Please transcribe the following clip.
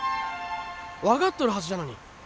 分かっとるはずじゃのに。